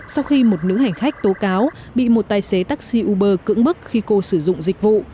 sau khi một nữ hành khách tố cáo bị một tài xế taxi uber cững bức khi cô sử dụng dịch vụ